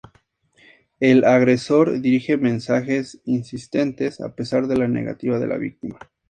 El agresor dirige mensajes insistentes, a pesar de la negativa de la víctima.